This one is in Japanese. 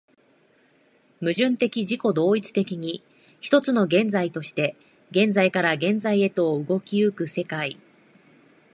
矛盾的自己同一的に、一つの現在として現在から現在へと動き行く世界